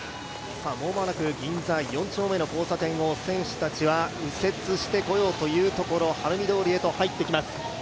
間もなく銀座四丁目の交差点を選手たちは右折してこようというところ晴海通りへと入ってきます。